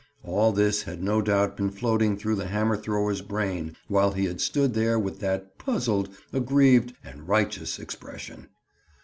All this had no doubt been floating through the hammer thrower's brain while he had stood there with that puzzled, aggrieved and righteous expression.